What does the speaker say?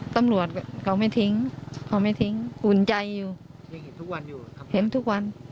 ตำรวจเขาไม่ทิ้งอุ่นใจอยู่เห็นทุกวัน